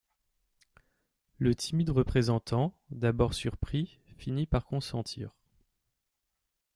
Le timide représentant, d'abord surpris, finit par consentir.